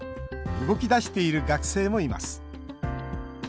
動き出している学生もいます。